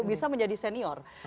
bisa menjadi senior